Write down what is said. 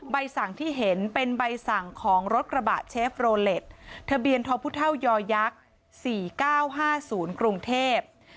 ใบสั่งที่เห็นเป็นใบสั่งของรถกระบะเชฟโรเล็ตทะเบียนทพุเท่ายอยักษ์๔๙๕๐กรุงเทพ